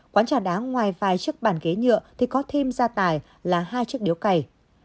quán trà đá ngoài vài chiếc bàn ghế nhựa thì có thêm gia tài là hai chiếc điếu cày